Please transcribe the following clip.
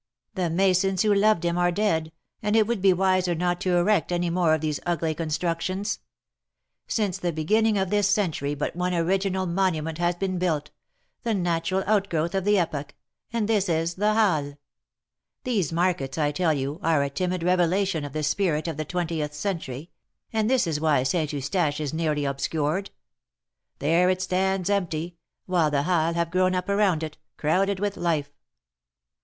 The masons who loved Him are dead, and it would be wiser not to erect any more of these ugly constructions. Since the beginning of this century but one original monument has been built — the natural outgrowth of the epoch — and this is the Halles. These Markets, I tell you, are a timid revelation of the spirit of the twentieth century, and this is why Saint Eustache is nearly obscured. There it stands empty, while the Halles have grown up around it, crowded with life."